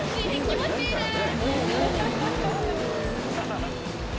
気持ちいいです！